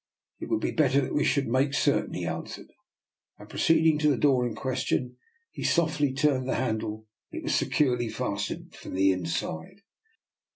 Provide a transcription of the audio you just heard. " It would be better that we should make certain," he answered, and, proceeding to the door in question, he softly turned the handle. It was securely fastened from the inside.